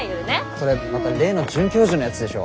それまた例の准教授のやつでしょ？